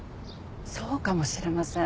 そうかもしれません。